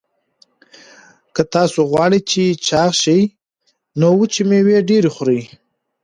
که تاسي غواړئ چې چاغ شئ نو وچې مېوې ډېرې خورئ.